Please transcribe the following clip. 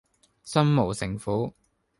心無城府￼